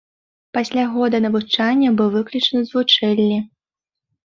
Пасля года навучання быў выключаны з вучэльні.